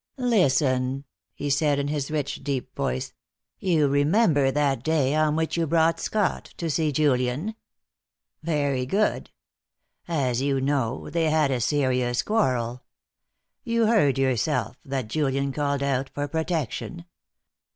"Listen," he said, in his rich, deep voice; "you remember that day on which you brought Scott to see Julian. Very good. As you know, they had a serious quarrel. You heard yourself that Julian called out for protection.